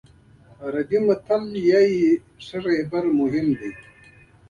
عربي متل وایي ښه رهبري مهم ده.